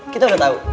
kita udah tahu